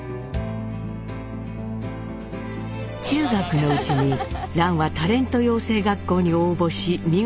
中学のうちに蘭はタレント養成学校に応募し見事合格。